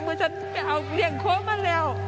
เมื่อฉันเอาเลี่ยงโค้กมาแล้ว